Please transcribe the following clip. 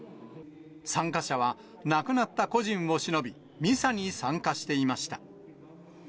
参加者は亡くなった故人をしのび、ミサに参加していました。